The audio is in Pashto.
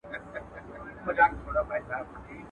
همدا به حال وي ورځ تر قیامته !.